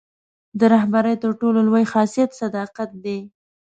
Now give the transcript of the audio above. د رهبرۍ تر ټولو لوی خاصیت صداقت دی.